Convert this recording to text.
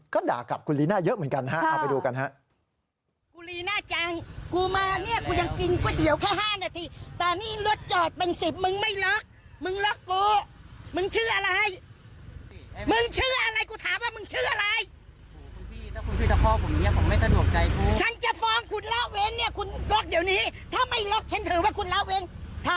ก็ด่ากับคุณลีน่าเยอะเหมือนกันฮะเอาไปดูกันฮะ